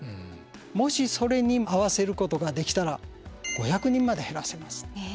もしそれに合わせることができたら５００人まで減らせます。